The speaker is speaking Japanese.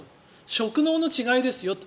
職能の違いですよと。